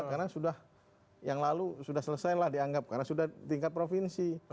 karena sudah yang lalu sudah selesailah dianggap karena sudah tingkat provinsi